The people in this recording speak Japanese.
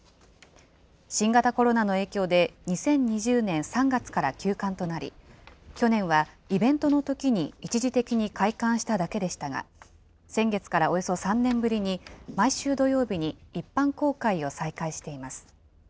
新型コロナの影響で、２０２０年３月から休館となり、去年はイベントのときに一時的に開館しただけでしたが、先月からおよそ３年ぶりに、毎週土曜日に一般公開を再開しています。